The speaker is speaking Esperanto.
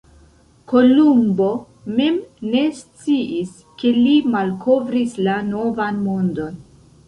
Kolumbo mem ne sciis ke li malkovris la Novan Mondon.